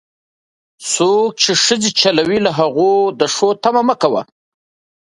څوک چې ښځې چلوي، له هغو د ښو تمه مه کوه.